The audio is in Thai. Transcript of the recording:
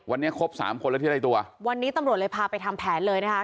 วันนี้ครบสามคนแล้วที่ได้ตัววันนี้ตำรวจเลยพาไปทำแผนเลยนะคะ